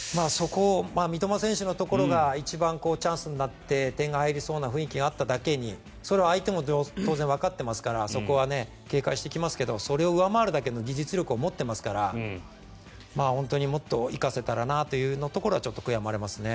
そこ、三笘選手のところが一番チャンスになって点が入りそうな雰囲気になっていただけにそれは相手も当然わかっていますからそこは警戒してきますけどそれを上回るだけの技術力を持っていますから本当にもっと生かせたらなというところは悔やまれますね。